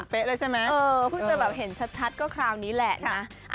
เพิ่งจะเห็นชัดก็คราวนี้แหละนะ